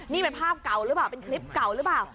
นี่เป็นภาพเก่าหรือเปล่า